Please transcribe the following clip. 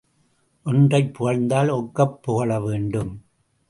ஒன்றைப் புகழ்ந்தால் ஒக்கப் புகழ வேண்டும்.